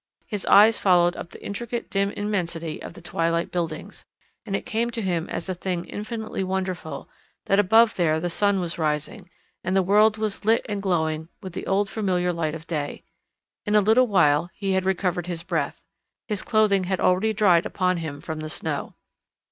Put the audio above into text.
His eye followed up the intricate dim immensity of the twilight buildings, and it came to him as a thing infinitely wonderful, that above there the sun was rising, and the world was lit and glowing with the old familiar light of day. In a little while he had recovered his breath. His clothing had already dried upon him from the snow.